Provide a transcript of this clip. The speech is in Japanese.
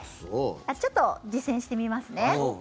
ちょっと実践してみますね。